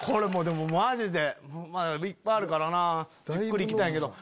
マジでいっぱいあるからなぁゆっくり行きたいけど。